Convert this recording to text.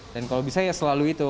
dan kalau bisa ya selalu itu